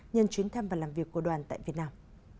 nhân chuyến thăm và làm việc của đoàn tại việt nam